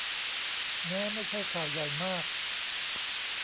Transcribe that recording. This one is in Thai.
แม้ไม่ใช่ข่าวใหญ่มาก